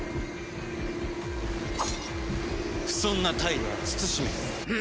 不遜な態度は慎め。